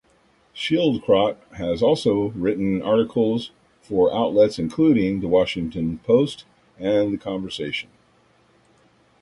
Schildkraut has also written articles for outlets including "The Washington Post" and "The Conversation".